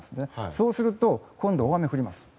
そうすると今度は大雨が降ります。